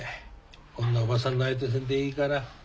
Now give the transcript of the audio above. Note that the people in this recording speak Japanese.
こんなおばさんの相手せんでいいから。